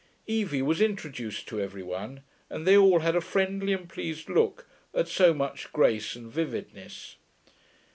Evie was introduced to every one, and they all had a friendly and pleased look at so much grace and vividness.